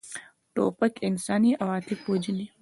توپک انساني عواطف وژني.